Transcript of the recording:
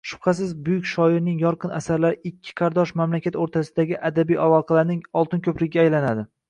Shubhasiz, buyuk shoirning yorqin asarlari ikki qardosh mamlakat oʻrtasidagi adabiy aloqalarning oltin koʻprigiga aylanadi.